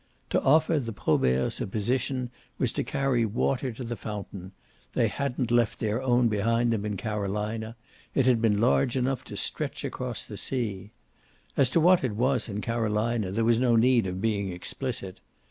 To offer the Proberts a position was to carry water to the fountain; they hadn't left their own behind them in Carolina; it had been large enough to stretch across the sea. As to what it was in Carolina there was no need of being explicit.